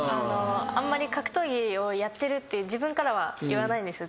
あんまり格闘技をやってるって自分からは言わないんですよ